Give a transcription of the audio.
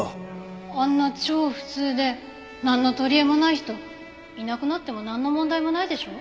あんな超普通でなんの取りえもない人いなくなってもなんの問題もないでしょ？